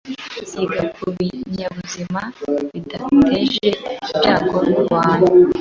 ziga ku binyabuzima bidateje ibyago ku bantu